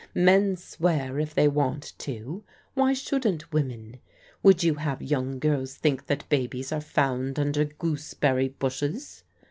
Men swear if they want to. Why shouldn't women? Would you have young girls think that babies are found under gooseberry bushes?